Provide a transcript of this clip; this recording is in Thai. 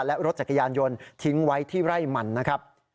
และรถจักรยานยนต์ทิ้งไว้ที่ไร่มันนะครับ